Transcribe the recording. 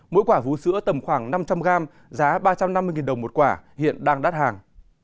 mỗi quả vú sữa tầm khoảng năm trăm linh gram giá ba trăm năm mươi đồng một quả hiện đang đắt hàng